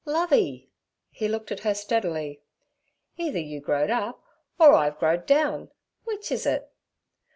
'Lovey'—he looked at her steadily—'either you growed up or I've growed down; w'ich is it?'